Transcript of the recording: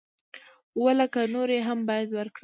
اووه لکه نورې هم بايد ورکړم.